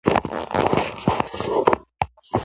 زموږ په ناړو د کلو رنځور جوړیږي